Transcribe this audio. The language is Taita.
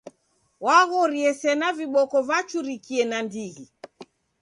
W'aghorie sena viboko vachurikie nandighi.